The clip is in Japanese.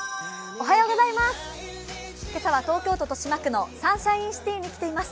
今朝は東京都豊島区のサンシャインシティに来ています。